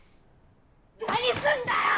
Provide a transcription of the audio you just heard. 何すんだよ！